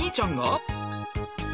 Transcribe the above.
ん？